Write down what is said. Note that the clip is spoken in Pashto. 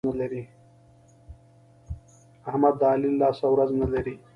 احمد د علي له لاسه ورځ نه لري.